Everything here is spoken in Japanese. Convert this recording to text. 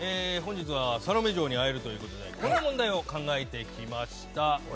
サロメ嬢に会えるということでこんな問題を考えてきました。